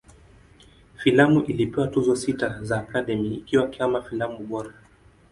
Filamu ilipewa Tuzo sita za Academy, ikiwa kama filamu bora.